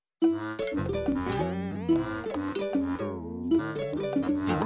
うん！